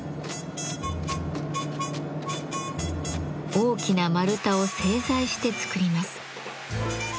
大きな丸太を製材して作ります。